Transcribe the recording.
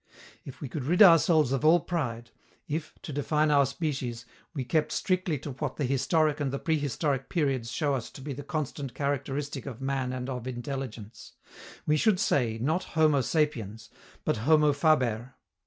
If we could rid ourselves of all pride, if, to define our species, we kept strictly to what the historic and the prehistoric periods show us to be the constant characteristic of man and of intelligence, we should say not Homo sapiens, but Homo faber.